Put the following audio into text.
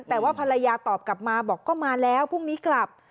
แต่ว่าภรรยาตอบกลับมาบอกก็มาแล้วพรุ่งนี้กลับ